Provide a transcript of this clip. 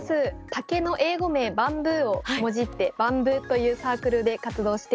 竹の英語名バンブーをもじってＢＡＭ部というサークルで活動しています。